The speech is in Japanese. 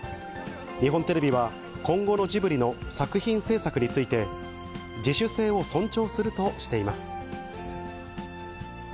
日本テレビは今後のジブリの作品制作について、自主性を尊重するとしています。